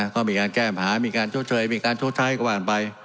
ก็มีการแก้อำหามีการโชคเชยมีการโชคช้าให้กระบันไป